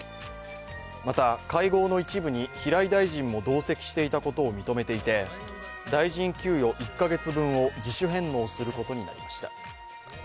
また、会合の一部に平井大臣も同席していたことを認めていて大臣給与１カ月分を自主返納することになりました。